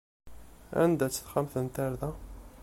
Anda-tt texxamt n tarda?